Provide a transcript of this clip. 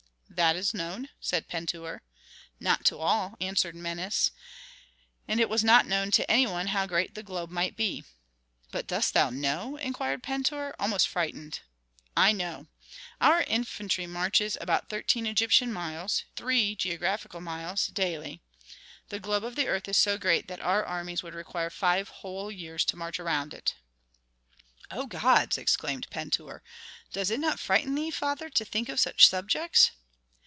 "That is known," said Pentuer. "Not to all," answered Menes. "And it was not known to any one how great that globe might be." "But dost thou know?" inquired Pentuer, almost frightened. "I know. Our infantry marches about thirteen Egyptian miles daily. The globe of the earth is so great that our armies would require five whole years to march around it." Three geographical miles. "O gods!" exclaimed Pentuer. "Does it not frighten thee, father, to think of such subjects?"